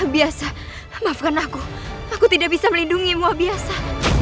biasa maafkan aku aku tidak bisa melindungimu biasa